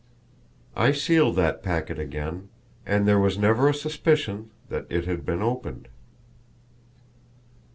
I sealed that packet again, and there was never a suspicion that it had been opened."